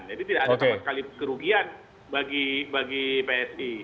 jadi tidak ada sama sekali kerugian bagi psi